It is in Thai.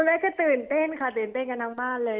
คุณแม่ก็ตื่นเต้นค่ะตื่นเต้นกับน้องบ้านเลย